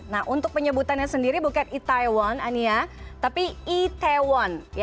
nah untuk penyebutannya sendiri bukan itaewon ania tapi itaewon